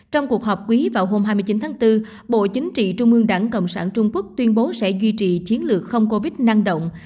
trong cuộc họp quý vào hôm hai mươi chín tháng bốn bộ chính trị trung ương đảng cộng sản trung quốc tuyên bố sẽ duy trì chiến lược không covid năng động